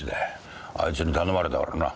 あいつに頼まれたからな。